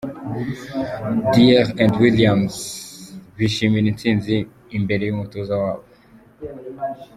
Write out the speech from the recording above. Dyer and Williams bishimira intsinzi imbere y’umutoza wabo.